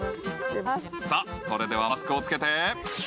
さあそれではマスクをつけて。